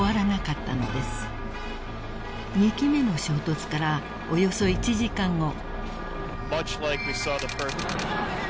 ［２機目の衝突からおよそ１時間後］